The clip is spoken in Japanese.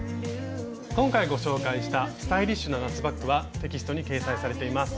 今回ご紹介したスタイリッシュな夏バッグはテキストに掲載されています。